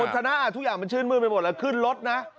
คุณชนะทุกอย่างมันชื่นมืดไปหมดแล้วขึ้นรถนะ